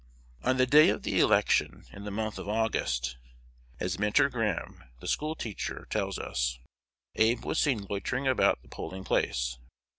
On the day of the election, in the month of August, as Minter Graham, the school teacher, tells us, Abe was seen loitering about the polling place.